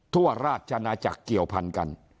ทั่วราชนาจักรเกี่ยวพันกัน